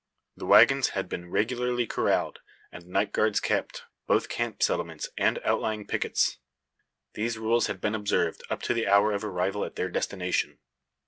The waggons had been regularly corralled, and night guards kept both camp sentinels and outlying pickets. These rules had been observed up to the hour of arrival at their destination.